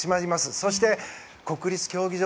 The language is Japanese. そして国立競技場